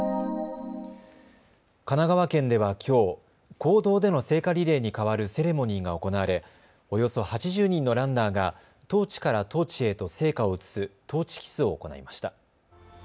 神奈川県ではきょう、公道での聖火リレーに代わるセレモニーが行われおよそ８０人のランナーがトーチからトーチへと聖火を移すトーチキスを行いました。